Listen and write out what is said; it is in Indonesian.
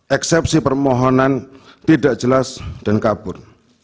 eksepsi permohonan tidak jelas dan kabur